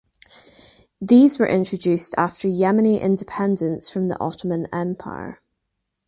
These were introduced after Yemeni independence from the Ottoman Empire.